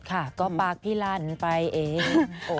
ค่ะก็ปากพี่ลันไปเอง